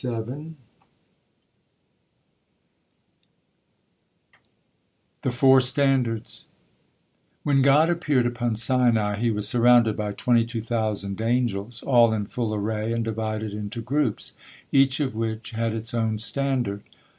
THE FOUR STANDARDS When God appeared upon Sinai, He was surrounded by twenty two thousand angels, all in full array and divided into groups, each of which had its own standard.